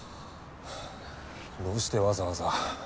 どうしてわざわざ。